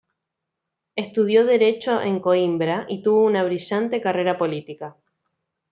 Estudió derecho en Coimbra y tuvo una brillante carrera política.